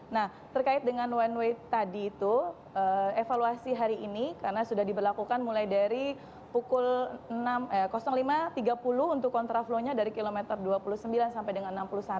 nah terkait dengan one way tadi itu evaluasi hari ini karena sudah diberlakukan mulai dari pukul lima tiga puluh untuk kontraflow nya dari kilometer dua puluh sembilan sampai dengan enam puluh satu